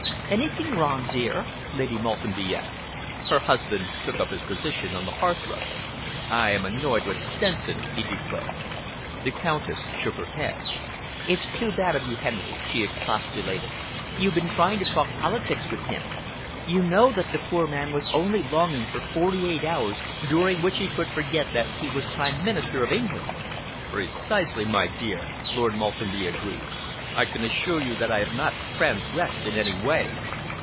"Anything wrong, dear?" Lady Maltenby asked. Her husband took up his position on the hearthrug. "I am annoyed with Stenson," he declared. The Countess shook her head. "It's too bad of you, Henry," she expostulated. "You've been trying to talk politics with him. You know that the poor man was only longing for forty eight hours during which he could forget that he was Prime Minister of England." "Precisely, my dear," Lord Maltenby agreed. "I can assure you that I have not transgressed in any way.